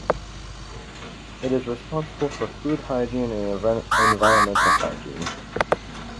It is responsible for food hygiene and environmental hygiene.